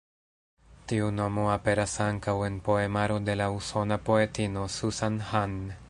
Tiu nomo aperas ankaŭ en poemaro de la usona poetino Susan Hahn.